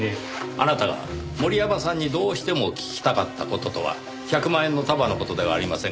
あなたが森山さんにどうしても聞きたかった事とは１００万円の束の事ではありませんか？